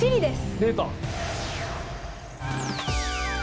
出た。